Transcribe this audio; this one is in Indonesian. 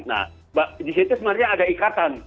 nah di situ sebenarnya ada ikatan